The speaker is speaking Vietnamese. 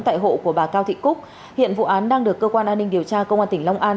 tại hộ của bà cao thị cúc hiện vụ án đang được cơ quan an ninh điều tra công an tỉnh long an